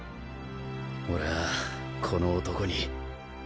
俺はこの男に